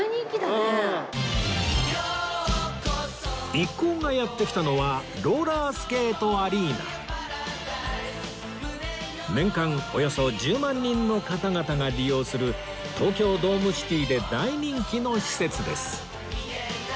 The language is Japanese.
一行がやって来たのはローラースケートアリーナ年間およそ１０万人の方々が利用する東京ドームシティで大人気の施設です